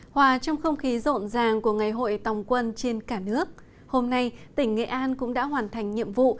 hòa trong không khí rộn ràng của ngày hội tòng quân trên cả nước hôm nay tỉnh nghệ an cũng đã hoàn thành nhiệm vụ